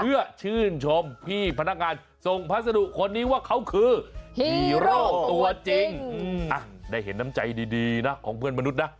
เพื่อชื่นชมพี่พนักงานส่งภาษฎุคนนี้ว่าเขาคือ